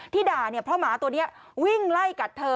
ด่าเนี่ยเพราะหมาตัวนี้วิ่งไล่กัดเธอ